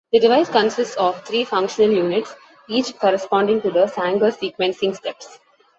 The device consists of three functional units, each corresponding to the Sanger sequencing steps.